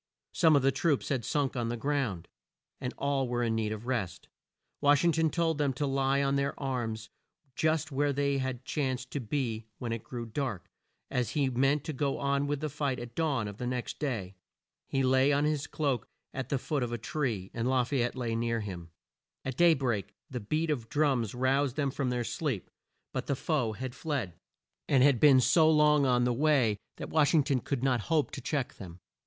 Some of the troops had sunk on the ground, and all were in need of rest. Wash ing ton told them to lie on their arms just where they chanced to be when it grew dark, as he meant to go on with the fight at dawn of the next day. He lay on his cloak at the foot of a tree, and La fay ette lay near him. At day break the beat of drums roused them from their sleep, but the foe had fled, and had been so long on the way that Wash ing ton could not hope to check them.